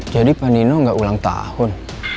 jadi pandino nggak ulang tahun